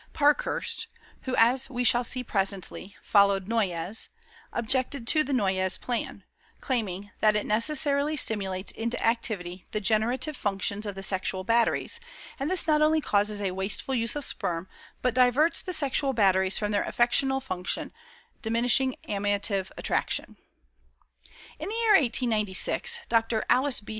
Parkhurst (who, as we shall see presently, followed Noyes) objected to the Noyes plan, claiming that "it necessarily stimulates into activity the generative functions of the sexual batteries, and this not only causes a wasteful use of sperm, but diverts the sexual batteries from their affectional function, diminishing amative attraction." In the year 1896, Dr. Alice B.